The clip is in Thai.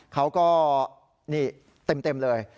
เขาก็เต็มเลย